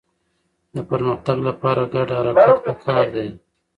د پرمختګ لپاره ګډ حرکت پکار دی.